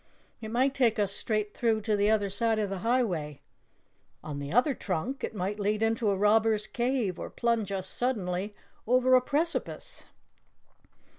"It might take us straight through to the other side of the highway. On the other trunk, it might lead into a robber's cave or plunge us suddenly over a precipice!"